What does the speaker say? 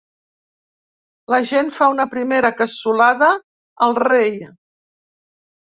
La gent fa una primera cassolada al rei.